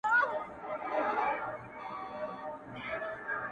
په دې وطن کي دا څه قیامت دی -